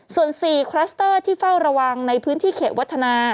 ส่วน๔คลัสเตอร์ที่เฝ้าระวังในพื้นที่เขตวัฒนา